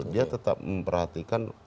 dia tetap memperhatikan